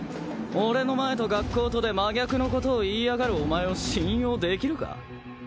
俺の前と学校とで真逆のことを言いやがるお前を信用できるか？